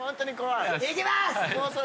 いきます！